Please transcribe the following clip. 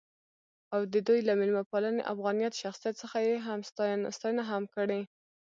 او د دوي له میلمه پالنې ،افغانيت ،شخصیت څخه يې ستاينه هم کړې.